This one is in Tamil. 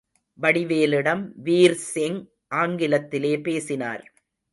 வடிவேலிடம் வீர்சிங் ஆங்கிலத்திலே பேசினார்.